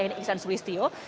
yakni iksan sulistio